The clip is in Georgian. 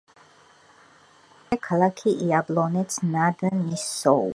მისი დედაქალაქია ქალაქი იაბლონეც-ნად-ნისოუ.